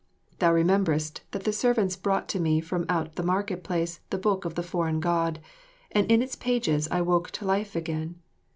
Thou rememberest that the servants brought to me from out the market place the book of the foreign God, and in its pages I woke to life again.